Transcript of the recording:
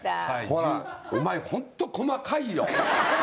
ホランお前ホント細かいよ。